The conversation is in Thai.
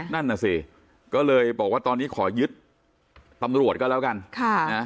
นั่นน่ะสิก็เลยบอกว่าตอนนี้ขอยึดตำรวจก็แล้วกัน